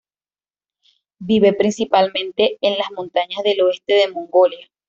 Vive principalmente en las montañas del oeste de Mongolia.